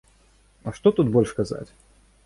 А што тут больш казаць?